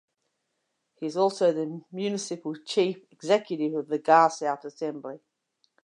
He is also the Municipal Chief Executive for the Ga South Assembly.